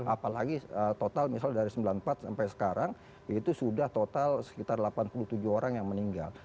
apalagi total misal dari sembilan puluh empat sampai sekarang itu sudah total sekitar delapan puluh tujuh orang yang meninggal